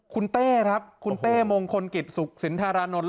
คุณเต้ครับคุณเต้มงคลกิจสุขสินธารานนท์